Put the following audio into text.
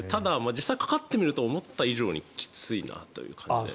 実際、かかってみると思った以上にきついなという感じで。